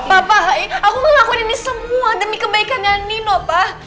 bapak hai aku melakukan ini semua demi kebaikan yang nino pak